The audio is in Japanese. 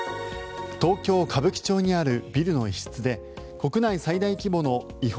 東京・歌舞伎町にあるビルの一室で国内最大規模の違法